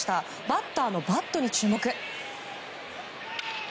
バッターのバットに注目。